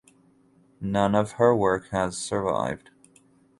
None of her work has survived.